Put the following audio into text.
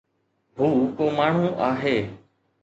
هو ڪو ماڻهو آهي.